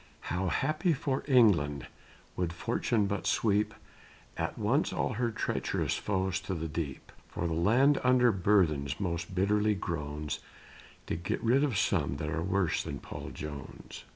How happy for England, would Fortune but sweep At once all her treacherous foes to the deep; For the land under burthens most bitterly groans, To get rid of some that are worse than Paul Jones.